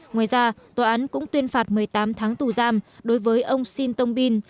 ngoài ra tòa án cũng tuyên phạt một mươi tám tháng tù giam đối với ông shin tông bin